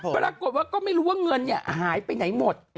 ปรากฏว่าก็ไม่รู้ว่าเงินหายไปไหนหมด